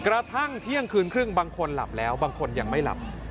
กระทั่งเที่ยงคืนครึ่งบางคนหลับแล้วบางคนยังไม่หลับ